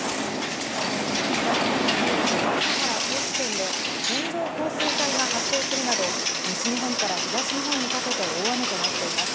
お伝えしていますように、今朝から高知県で線状降水帯が発生するなど、西日本から東日本にかけて大雨となっています。